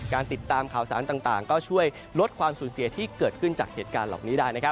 ติดตามข่าวสารต่างก็ช่วยลดความสูญเสียที่เกิดขึ้นจากเหตุการณ์เหล่านี้ได้